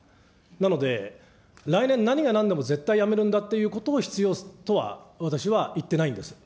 なので、来年、何がなんでも絶対やめるんだっていうことを必要とは私は言ってないんです。